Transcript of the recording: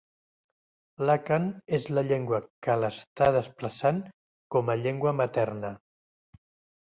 L'àkan és la llengua que l'està desplaçant com a llengua materna.